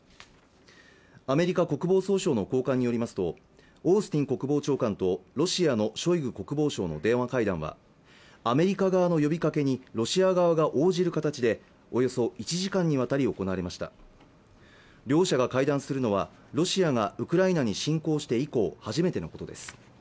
アメリカ国防総省の高官によりますとオースティン国防長官とロシアのショイグ国防相の電話会談はアメリカ側の呼びかけにロシア側が応じる形でおよそ１時間にわたり行われました両者が会談するのはロシアがウクライナに侵攻して以降、初めてのことです